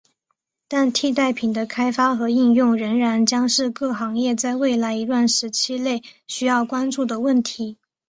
但替代品的开发和应用仍然将是各行业在未来一段时期内需要关注的问题。